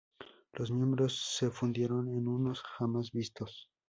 Los miembros se fundieron en unos jamás vistos.